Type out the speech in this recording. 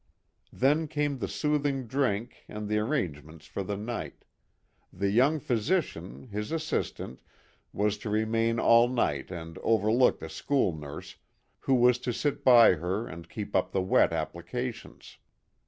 Then came the soothing drink and the ar "MISSMILLY." 115 rangements for the night ; the young physician, his assistant, was to remain all night and over look the school nurse who was to sit by her and keep up the wet applications.